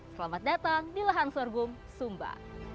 selamat datang di lahan sorghum sumba